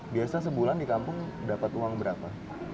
biasa sebulan di kampung dapat uang berapa